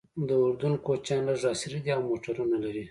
د اردن کوچیان لږ عصري دي او موټرونه لري.